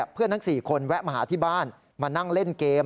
ทั้ง๔คนแวะมาหาที่บ้านมานั่งเล่นเกม